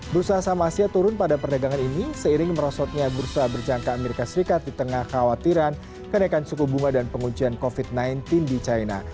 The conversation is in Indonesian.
bursa saham asia turun pada perdagangan ini seiring merosotnya bursa berjangka amerika serikat di tengah khawatiran kenaikan suku bunga dan pengujian covid sembilan belas di china